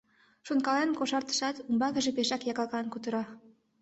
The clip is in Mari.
Шонкален кошартышат, умбакыже пешак яклакан кутыра: